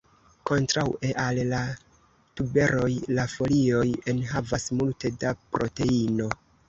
Kontraŭe al la tuberoj, la folioj enhavas multe da proteino.